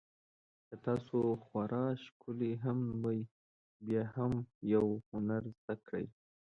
که تاسو خورا ښکلي هم وئ بیا هم یو هنر زده کړئ.